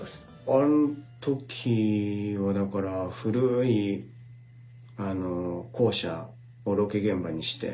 あん時はだから古い校舎をロケ現場にして。